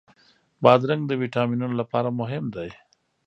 بادرنګ د ویټامینونو لپاره مهم دی.